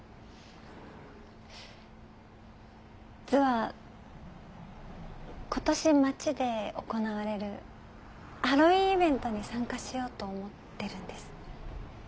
実は今年街で行われるハロウィンイベントに参加しようと思ってるんです。